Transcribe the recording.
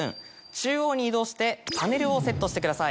中央に移動してパネルをセットしてください。